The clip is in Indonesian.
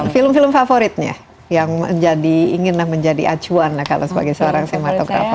film film favoritnya yang menjadi inginlah menjadi acuan kalau sebagai seorang sematographer